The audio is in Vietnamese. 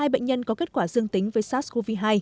hai bệnh nhân có kết quả dương tính với sars cov hai